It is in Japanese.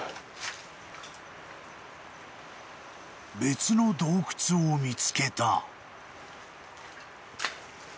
［別の洞窟を見つけた］